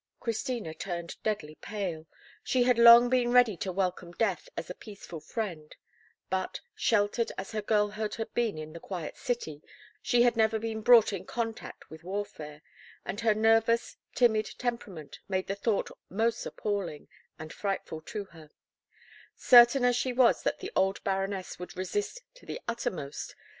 Christina turned deadly pale. She had long been ready to welcome death as a peaceful friend; but, sheltered as her girlhood had been in the quiet city, she had never been brought in contact with warfare, and her nervous, timid temperament made the thought most appalling and frightful to her, certain as she was that the old Baroness would resist to the uttermost.